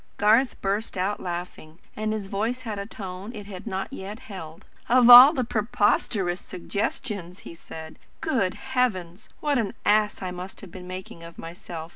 Garth burst out laughing, and his voice had a tone it had not yet held. "Of all the preposterous suggestions!" he said. "Good heavens! What an ass I must have been making of myself!